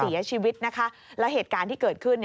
เสียชีวิตนะคะแล้วเหตุการณ์ที่เกิดขึ้น